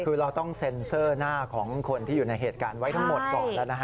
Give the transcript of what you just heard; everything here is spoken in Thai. คือเราต้องเซ็นเซอร์หน้าของคนที่อยู่ในเหตุการณ์ไว้ทั้งหมดก่อนแล้วนะฮะ